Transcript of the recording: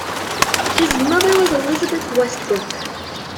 His mother was Elizabeth Westbrook.